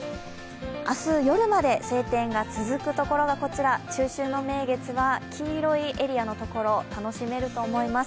明日夜まで晴天が続くところがこちら、中秋の名月は黄色いエリアのところ、楽しめると思います。